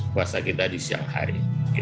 puasa kita di siang hari